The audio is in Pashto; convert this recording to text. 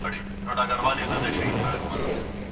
صحي خدمتونه د کار ځواک توان لوړوي.